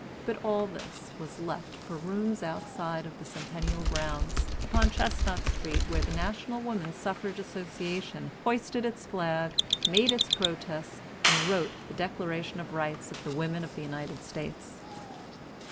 But all this was left for rooms outside of the centennial grounds, upon Chestnut Street, where the National Woman's Suffrage Association hoisted its flag, made its protests, and wrote the Declaration of Rights of the women of the United States.